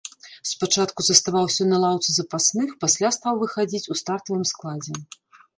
Спачатку заставаўся на лаўцы запасных, пасля стаў выхадзіць у стартавым складзе.